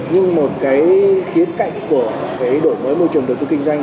nhưng một cái khía cạnh của cái đổi mới môi trường đầu tư kinh doanh